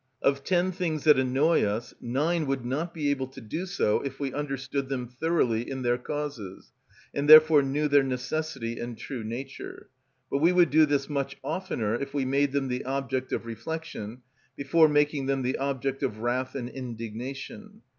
Of ten things that annoy us, nine would not be able to do so if we understood them thoroughly in their causes, and therefore knew their necessity and true nature; but we would do this much oftener if we made them the object of reflection before making them the object of wrath and indignation.